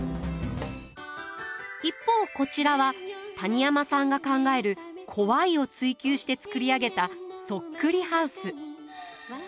一方こちらは谷山さんが考える「怖い」を追求して作り上げた「そっくりハウス」。